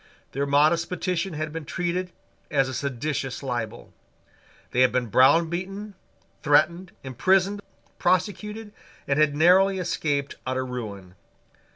Their modest petition had been treated as a seditious libel. They had been browbeaten, threatened, imprisoned, prosecuted, and had narrowly escaped utter ruin.